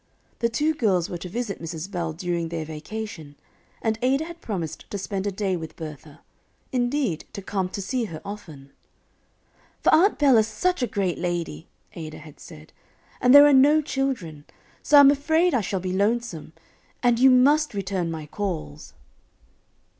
The two girls were to visit Mrs. Bell during their vacation, and Ada had promised to spend a day with Bertha indeed, to come to see her often. "For Aunt Bell is such a great lady," Ada had said, "and there are no children; so I'm afraid I shall be lonesome; and you must return my calls."